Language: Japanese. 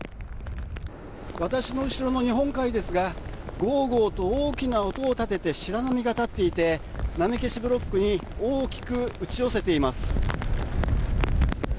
私の後ろの日本海ですがゴーゴーと大きな音を立てて白波が立っていて波消しブロックに大きく打ち寄せています。